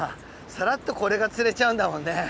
さらっとこれが釣れちゃうんだもんね。